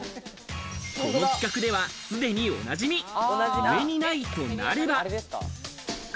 この企画では、すでにおなじみ、上にないとなれば。